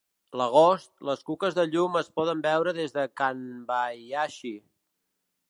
L'agost, les cuques de llum es poden veure des de Kanbayashi.